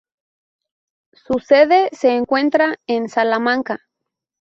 Su sede se encuentra en Salamanca.